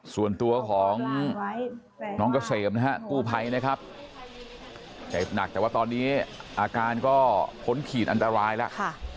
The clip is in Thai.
ส่วนตัวของน้องเกษมนะฮะกู้ภัยนะครับเจ็บหนักแต่ว่าตอนนี้อาการก็พ้นขีดอันตรายแล้ว